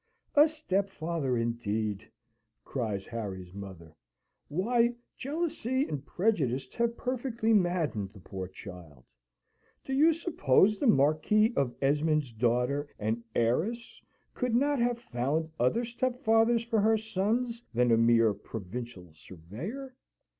"A stepfather, indeed!" cries Harry's mother. "Why, jealousy and prejudice have perfectly maddened the poor child! Do you suppose the Marquis of Esmond's daughter and heiress could not have found other stepfathers for her sons than a mere provincial surveyor?